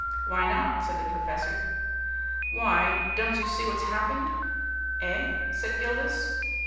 "Why not?" said the professor. "Why, don't you see what's happened?" "Eh?" said Gildas.